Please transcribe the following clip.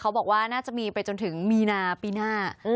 บอกว่าน่าจะมีไปจนถึงมีนาปีหน้า